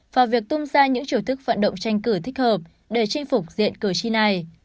và việc tung ra những chiều thức vận động tranh cử thích hợp để chinh phục diện cử tri này